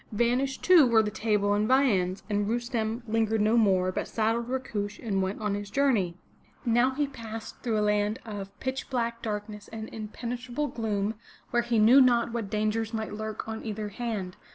Vanished, too, were the table and viands, and Rustem lingered no more, but saddled Rakush and went on his journey. Now he passed through a land of pitch black darkness and inpenetrable gloom, where he knew not what dangers might lurk on either hand.